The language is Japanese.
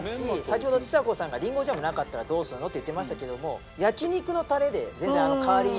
先ほどちさ子さんがりんごジャムなかったらどうするの？って言ってましたけども。